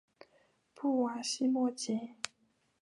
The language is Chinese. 布瓦西莫吉。